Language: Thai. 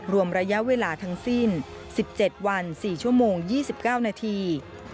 รวมระยะเวลาทั้งสิ้น๑๗วัน๔ชั่วโมง๒๙นาที